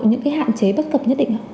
những cái hạn chế bất cập nhất định không